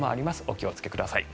お気をつけください。